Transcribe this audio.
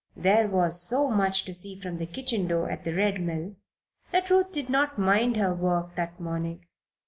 There was so much to see from the kitchen door at the Red Mill that Ruth did not mind her work that morning.